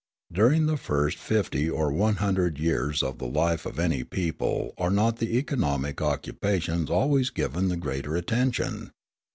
During the first fifty or one hundred years of the life of any people are not the economic occupations always given the greater attention?